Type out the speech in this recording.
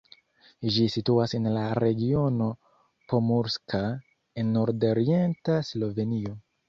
Ĝi situas en la regiono Pomurska en nordorienta Slovenio.